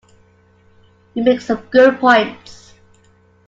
You make some good points.